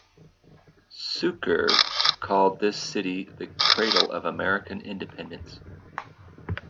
Sucre called this city the cradle of American Independence.